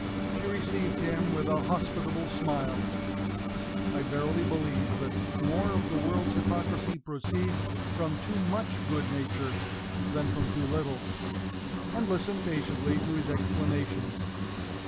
She received him with a hospitable smile (I verily believe that more of the world's hypocrisy proceeds from too much good nature than from too little) and listened patiently to his explanations.